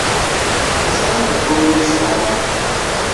Acḥal n tenfulin ay d-tesɣamt?